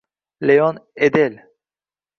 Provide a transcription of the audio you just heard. Leon Edel